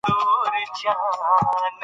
ازادي راډیو د اټومي انرژي ستونزې راپور کړي.